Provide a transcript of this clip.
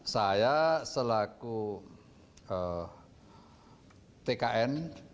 saya selaku tkn